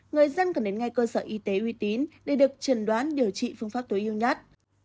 người dân cần đến ngay cơ sở y tế uy tín để được trần đoán điều trị phương pháp tối ưu nhất